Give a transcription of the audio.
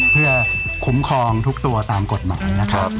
เพื่อคุ้มครองทุกตัวตามกฎหมายนะครับ